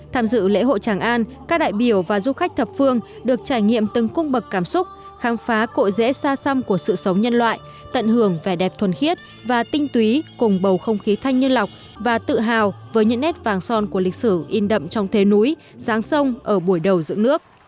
tham dự lễ hội tràng an các đại biểu và du khách thập phương được trải nghiệm từng cung bậc cảm xúc khám phá cội rễ xa xăm của sự sống nhân loại tận hưởng vẻ đẹp thuần khiết và tinh túy cùng bầu không khí thanh như lọc và tự hào với những nét vàng son của lịch sử in đậm trong thế núi giáng sông ở buổi đầu dựng nước